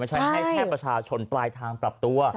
ใช้ให้แค่ประชาชนปลายทางปรับตัว